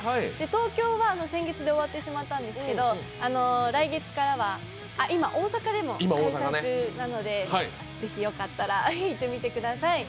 東京は先月で終わってしまったんですけど来月からは、今大阪でも開催中なのでよかったら行ってみてください。